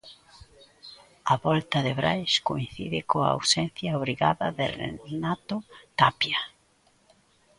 A volta de Brais coincide coa ausencia obrigada de Renato Tapia.